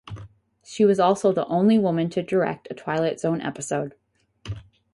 She was also the only woman to direct a "Twilight Zone" episode.